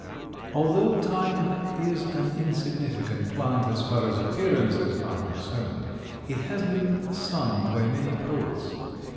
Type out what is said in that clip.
Although thyme is an insignificant plant as far as appearances are concerned it has been sung by many poets.